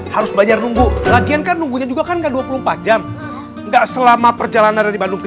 harus banyak nunggu lagian kan nunggu juga kan dua puluh empat jam enggak selama perjalanan di bandung ke